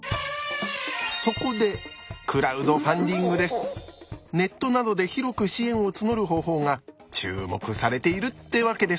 そこでネットなどで広く支援を募る方法が注目されているってわけです。